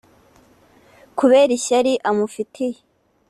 kubera ishyari amufitiye